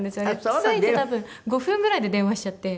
着いて多分５分ぐらいで電話しちゃって。